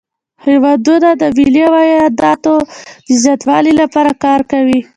هیوادونه د ملي عایداتو د زیاتوالي لپاره کار کوي